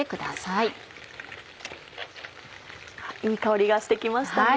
いい香りがして来ましたね。